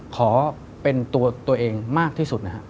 ขอเป็นตัวตัวเองมากที่สุดนะครับ